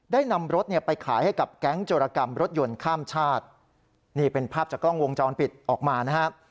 นำรถเนี่ยไปขายให้กับแก๊งโจรกรรมรถยนต์ข้ามชาตินี่เป็นภาพจากกล้องวงจรปิดออกมานะครับ